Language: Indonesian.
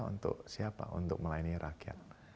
untuk siapa untuk melayani rakyat